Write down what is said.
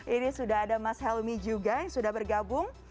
ini sudah ada mas helmi juga yang sudah bergabung